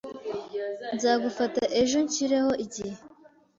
Nzagufata ejo nshyireho igihe.